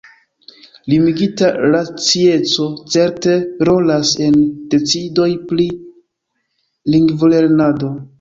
Limigita racieco certe rolas en decidoj pri lingvolernado!